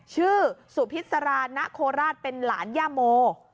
ชื่อสุพิษราณโคราชเป็นหลานย่าโม